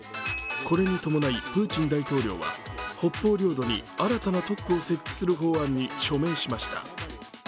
これに伴いプーチン大統領は北方領土に新たな特区を設置する法案に署名しました。